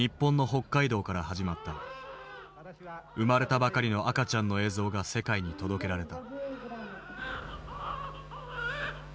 生まれたばかりの赤ちゃんの映像が世界に届けられた。